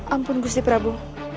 ampun kusi prabu